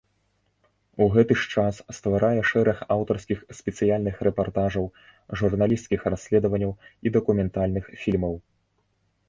У гэты ж час стварае шэраг аўтарскіх спецыяльных рэпартажаў, журналісцкіх расследаванняў і дакументальных фільмаў.